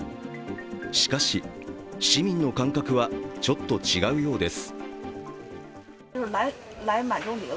しかし、市民の感覚はちょっと違うようです。